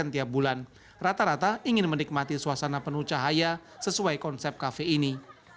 tiap bulan rata rata ingin menikmati suasana penuh cahaya sesuai konsep kafe ini